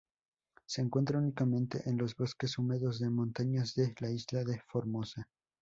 Se encuentra únicamente en los bosques húmedos de montañas de la isla de Formosa.